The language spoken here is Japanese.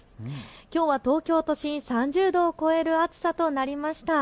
きょうは東京都心、３０度を超える暑さとなりました。